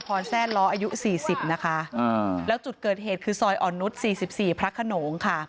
แซ่ล้ออายุสี่สิบนะคะแล้วจุดเกิดเหตุคือซอยอ่อนนุษย์๔๔พระขนงค่ะ